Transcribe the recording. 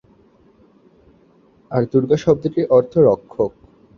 আর দুর্গা শব্দটির অর্থ রক্ষক।